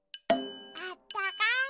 あったかい。